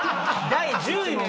第１０位の。